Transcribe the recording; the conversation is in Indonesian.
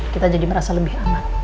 kita jadi merasa lebih aman